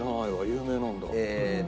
有名なんだ。